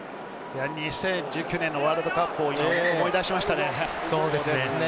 ２０１９年のワールドカップを思い出しましたね。